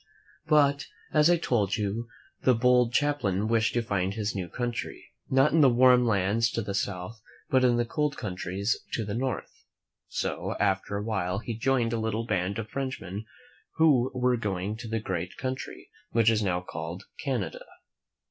But as I told you, the bold Champlain wished to find his new country, not in the warm lands to the south, but in the cold countries to the north. So, after a while, he joined a little band of Frenchmen who were going to the great country which is now called Canada.